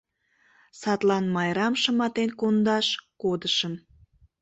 Садлан Майрам шыматен кондаш кодышым.